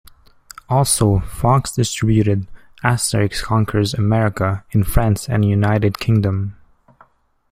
Also, Fox distributed "Asterix Conquers America" in France and United Kingdom.